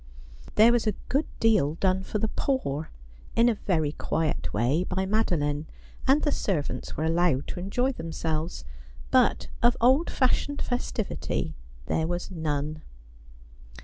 There was a good deal done for the poor, in a very quiet way, by Madeline, and the servants were allowed to enjoy themselves; but of old fashioned festivity there was none.